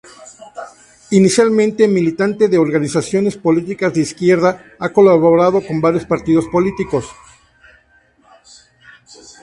Inicialmente militante de organizaciones políticas de izquierda, ha colaborado con varios partidos políticos.